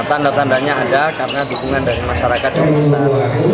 tanda tandanya ada karena dukungan dari masyarakat cukup besar